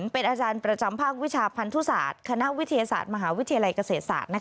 เป็นอาจารย์ประจำภาควิชาพันธุศาสตร์คณะวิทยาศาสตร์มหาวิทยาลัยเกษตรศาสตร์